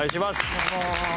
どうも。